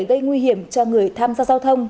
gây nguy hiểm cho người tham gia giao thông